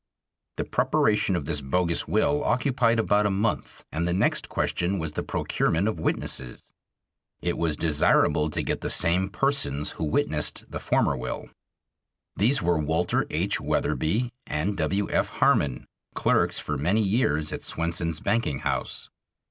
The preparation of this bogus will occupied about a month, and the next question was the procurement of witnesses. It was desirable to get the same persons who witnessed the former will. These were Walter H. Wetherbee and W. F. Harmon, clerks for many years at Swenson's banking house.